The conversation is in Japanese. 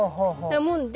だもんで。